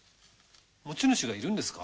持ち主がいるんですか？